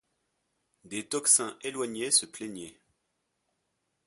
Des tocsins éloignés se plaignaient.